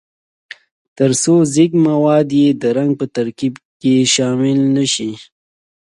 ترڅو ځیږ مواد یې د رنګ په ترکیب کې شامل نه شي.